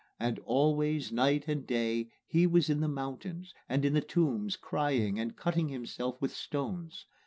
And always, night and day, he was in the mountains, and in the tombs, crying, and cutting himself with stones.